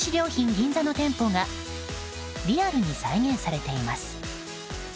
銀座の店舗がリアルに再現されています。